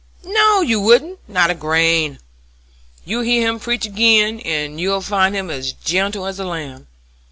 "No, you wouldn't; not a grain. You hear him preach agin and you'll find him as gentle as a lamb.